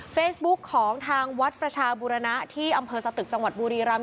เฟซบุ๊คของทางวัดประชาบุรณะที่อำเภอสตึกจังหวัดบุรีรำ